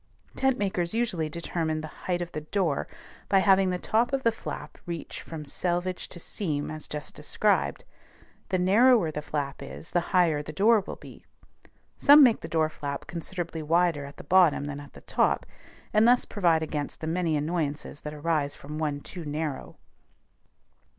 Tent makers usually determine the height of the door by having the top of the flap reach from selvage to seam as just described; the narrower the flap is, the higher the door will be. Some make the door flap considerably wider at the bottom than at the top, and thus provide against the many annoyances that arise from one too narrow.